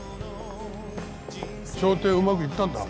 調停うまくいったんだ。